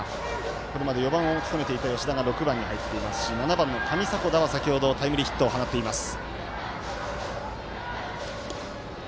これまで４番を務めていた吉田が６番に入っていて７番の上迫田は先ほどタイムリーヒットを放っています。